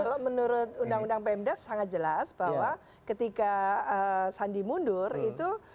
kalau menurut undang undang pmd sangat jelas bahwa ketika sandi mundur itu